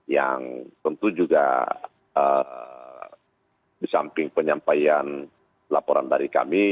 yang tentu juga di samping penyampaian laporan dari kami